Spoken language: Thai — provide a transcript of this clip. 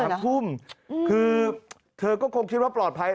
ทุ่มคือเธอก็คงคิดว่าปลอดภัย